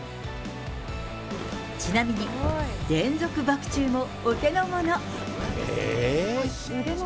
ちなみに連続バク宙もお手の物。